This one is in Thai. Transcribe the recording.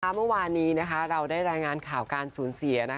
เมื่อวานนี้เราได้รายงานข่าวการสูญเสีย